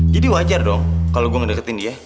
jadi wajar dong kalo gue ngedeketin dia